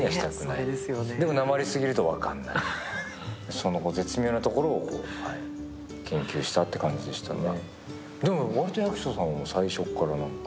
その絶妙なところを研究したって感じでしたね。